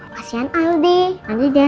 kasian aldi nanti dia